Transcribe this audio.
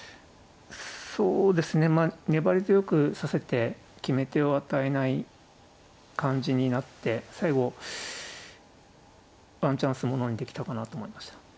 そうですねまあ粘り強く指せて決め手を与えない感じになって最後ワンチャンス物にできたかなと思いました。